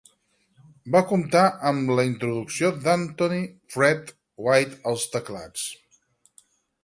Va comptar amb la introducció d'Anthony "Fred" White als teclats.